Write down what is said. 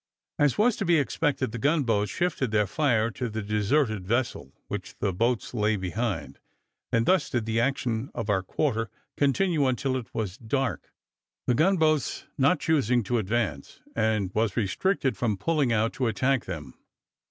As was to be expected, the gun boats shifted their fire to the deserted vessel, which the boats lay behind, and thus did the action in our quarter continue until it was dark; the gun boats not choosing to advance, and was restricted from pulling out to attack them.